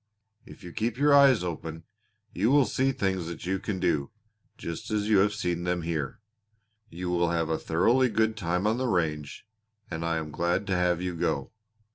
If you keep your eyes open you will see things that you can do, just as you have seen them here. You will have a thoroughly good time on the range, and I am glad to have you go.